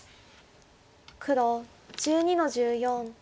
黒１２の十四。